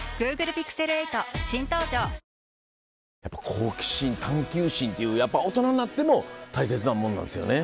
好奇心探究心っていうやっぱ大人になっても大切なものなんですよね？